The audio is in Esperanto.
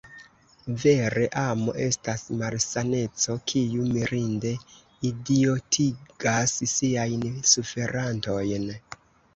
Vere, amo estas malsaneco, kiu mirinde idiotigas siajn suferantojn!